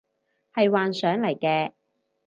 係幻想嚟嘅